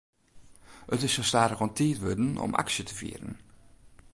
It is sa stadichoan tiid wurden om aksje te fieren.